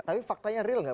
tapi faktanya real nggak